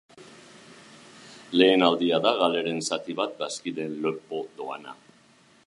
Lehen aldia da galeren zati bat bazkideen lepo doana.